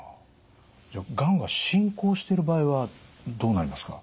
じゃあがんが進行している場合はどうなりますか？